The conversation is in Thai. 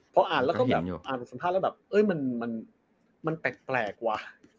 พออ่านแล้วก็แบบอ่านสัมภาษณ์แล้วแบบมันแปลกว่ะ